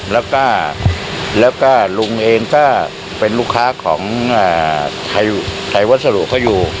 แล้วก็ลุงเองก็เป็นลูกค้าของไทยวัสดุเขาอยู่